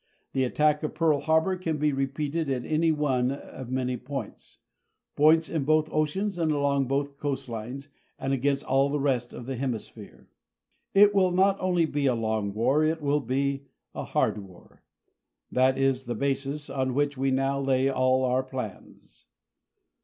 The attack at Pearl Harbor can be repeated at any one of many points, points in both oceans and along both our coast lines and against all the rest of the Hemisphere. It will not only be a long war, it will be a hard war. That is the basis on which we now lay all our plans.